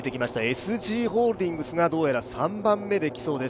ＳＧホールディングスがどうやら３番目で来そうです。